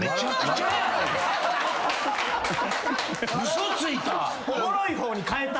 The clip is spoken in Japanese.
嘘ついた！